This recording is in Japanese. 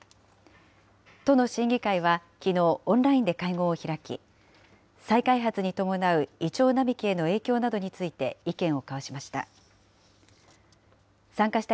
都の審議会はきのう、オンラインで会合を開き、再開発に伴うイチョウ並木への影響などについて意見を交わしました。